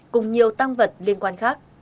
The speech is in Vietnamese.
cùng nhiều tăng vật liên quan khác